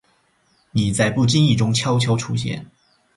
你在不经意中悄悄出现